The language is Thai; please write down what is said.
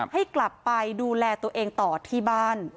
ให้กลับไปดูแลตัวเองต่อที่บ้าน